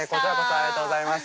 ありがとうございます。